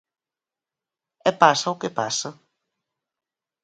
E pasa o que pasa.